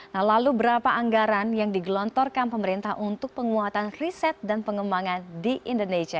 nah lalu berapa anggaran yang digelontorkan pemerintah untuk penguatan riset dan pengembangan di indonesia